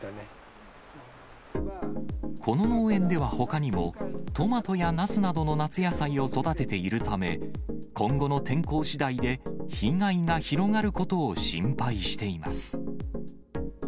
この農園ではほかにも、トマトやなすなどの夏野菜を育てているため、今後の天候しだいで、被害が広がることを心配しています。